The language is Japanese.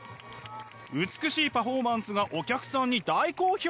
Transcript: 美しいパフォーマンスがお客さんに大好評！